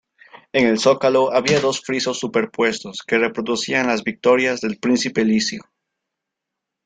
En el zócalo había dos frisos superpuestos que reproducían las victorias del príncipe licio.